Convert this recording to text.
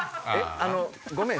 あのごめん。